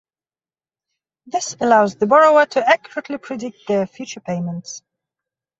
This allows the borrower to accurately predict their future payments.